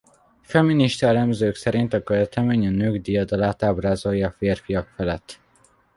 Feminista elemzők szerint a költemény a nők diadalát ábrázolja a férfiak felett.